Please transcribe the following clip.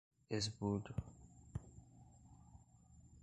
esbulho